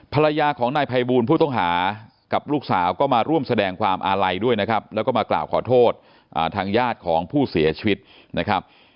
ภรรยาของนายภัยบูลผู้ต้องหากับลูกสาวก็มาร่วมแสดงความอาลัยด้วยนะครับแล้วก็มากล่าวขอโทษทางญาติของผู้เสียชีวิตนะครับ